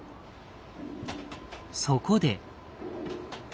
そこで。